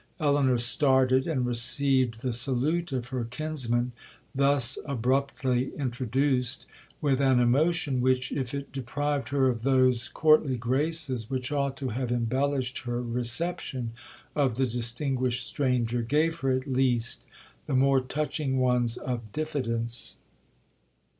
Elinor started, and received the salute of her kinsman, thus abruptly introduced, with an emotion, which, if it deprived her of those courtly graces which ought to have embellished her reception of the distinguished stranger, gave her, at least, the more touching ones of diffidence.